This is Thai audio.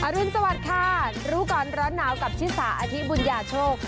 รุนสวัสดิ์ค่ะรู้ก่อนร้อนหนาวกับชิสาอธิบุญญาโชค